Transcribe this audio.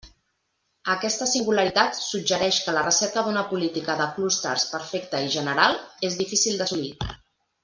Aquesta singularitat suggereix que la recerca d'una política de clústers perfecta i general és difícil d'assolir.